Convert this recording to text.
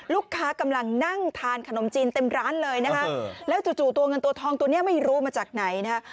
กำลังนั่งทานขนมจีนเต็มร้านเลยนะคะแล้วจู่ตัวเงินตัวทองตัวนี้ไม่รู้มาจากไหนนะฮะ